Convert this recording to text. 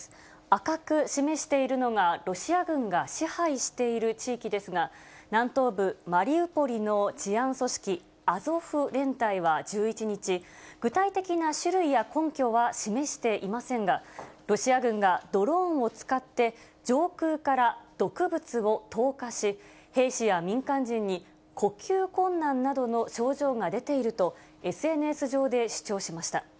赤く示しているのがロシア軍が支配している地域ですが、南東部マリウポリの治安組織、アゾフ連隊は１１日、具体的な種類や根拠は示していませんが、ロシア軍がドローンを使って、上空から毒物を投下し、兵士や民間人に呼吸困難などの症状が出ていると、ＳＮＳ上で主張しました。